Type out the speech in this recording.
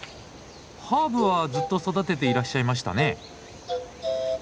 ハーブはずっと育てていらっしゃいましたね。